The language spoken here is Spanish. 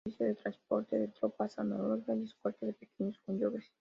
En agosto ofició de transporte de tropas a Noruega y escolta de pequeños convoyes.